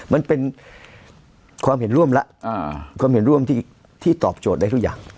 มันเป็นความเห็นร่วมที่ตอบโจทย์อะไรทุกอย่าง